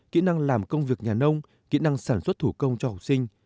kỹ năng làm công việc nhà nông kỹ năng sản xuất thủ công cho học sinh